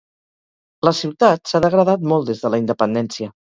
La ciutat s'ha degradat molt des de la independència.